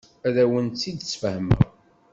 Ad awen-tt-id-sfehmeɣ.